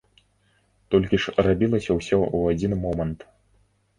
Толькі ж рабілася ўсё ў адзін момант.